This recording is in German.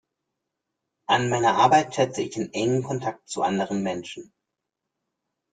An meiner Arbeit schätze ich den engen Kontakt zu anderen Menschen.